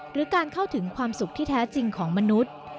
หรือการเข้าถึงความสุขที่แท้จริงของมนุษย์